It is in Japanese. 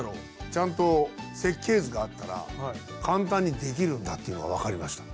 ちゃんと設計図があったら簡単にできるんだっていうのが分かりました。